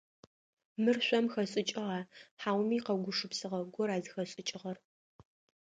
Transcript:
Мыр шъом хэшӏыкӏыгъа, хьауми къэугупшысыгъэ гора зыхэшӏыкӏыгъэр?